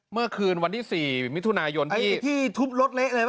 เมื่อคืนวันที่สี่มิถุนายนนี่ที่ทุบรถเละเลยป